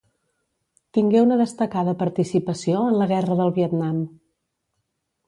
Tingué una destacada participació en la Guerra del Vietnam.